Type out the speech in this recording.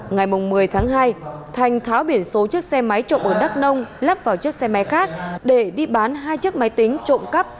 ngày một mươi tháng hai thành tháo biển số chiếc xe máy trộm ở đắk nông lắp vào chiếc xe máy khác để đi bán hai chiếc máy tính trộm cắp